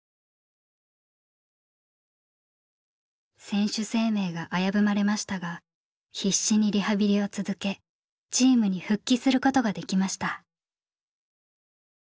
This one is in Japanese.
選手生命が危ぶまれましたが必死にリハビリを続けチームに復帰することができました。